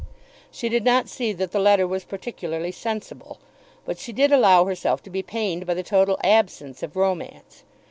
She did not see that the letter was particularly sensible; but she did allow herself to be pained by the total absence of romance.